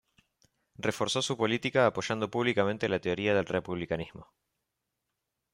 Reforzó su política apoyando públicamente la teoría del republicanismo.